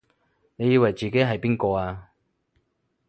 你以為自己係邊個啊？